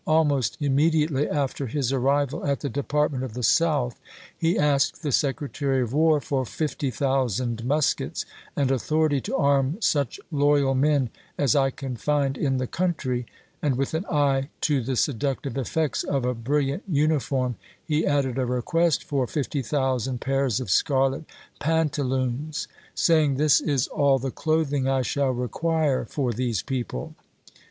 Almost immediately after his arrival at the Department of the South he asked the Secre tary of War for 50,000 muskets and " authority to arm such loyal men as I can find in the country," and with an eye to the seductive effects of a bril liant uniform, he added a request for " 50,000 to stenfon, pairs of scarlet pantaloons," saying, " This is all 1862. w. k the clothing I shall require for these people."